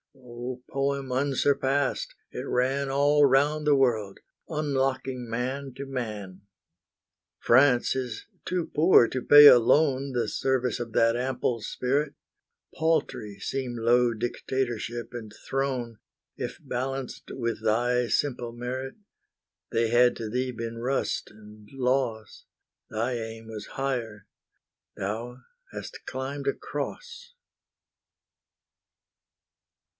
O poem unsurpassed! it ran All round the world, unlocking man to man. France is too poor to pay alone The service of that ample spirit; Paltry seem low dictatorship and throne, If balanced with thy simple merit. They had to thee been rust and loss; Thy aim was higher, thou hast climbed a Cross.